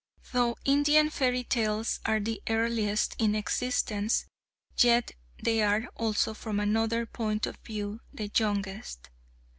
] Though Indian fairy tales are the earliest in existence, yet they are also from another point of view the youngest.